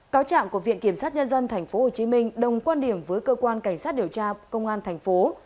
cáo trạng của viện kiểm soát nhân dân tp hồ chí minh đồng quan điểm với cơ quan cảnh sát điều tra công an tp